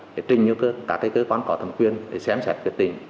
để trình như các cơ quan có thẩm quyền để xem xét tình trạng